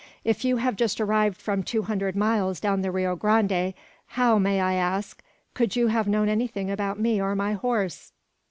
If you have just arrived from two hundred miles down the Rio Grande, how, may I ask, could you have known anything about me or my horse?"